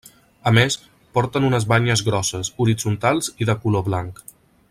A més, porten unes banyes grosses, horitzontals i de color blanc.